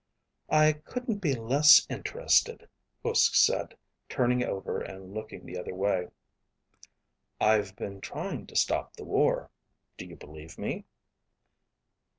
"I couldn't be less interested," Uske said, turning over and looking the other way. "I've been trying to stop the war. Do you believe me?"